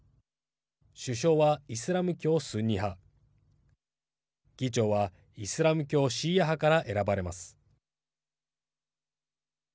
首相は、イスラム教スンニ派議長はイスラム教シーア派から選ばれます。